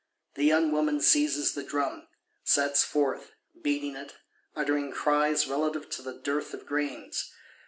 The young woman seizes the drum; sets forth, beating it, "uttering cries relative to the dearth of grains."